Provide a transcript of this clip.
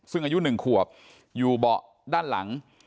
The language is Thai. ซึ่งอายุ๑ขวบอยู่เบาะด้านหลัง